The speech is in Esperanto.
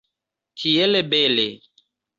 Tiel bele!